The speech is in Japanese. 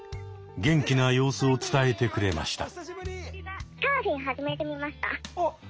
元気な様子を伝えてくれました。